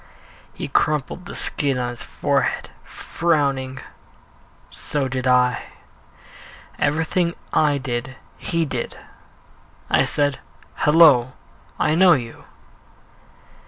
He crumpled the skin on his forehead, frowning so did I. Everything I did he did. I said, "Hello, I know you."